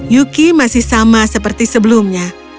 yuki masih sama seperti sebelumnya